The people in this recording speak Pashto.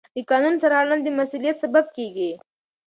د قانون سرغړونه د مسؤلیت سبب کېږي.